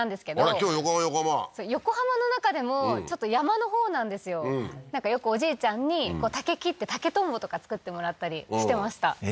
今日横浜横浜横浜の中でもちょっと山のほうなんですよなんかよくおじいちゃんに竹切って竹とんぼとか作ってもらったりしてましたえ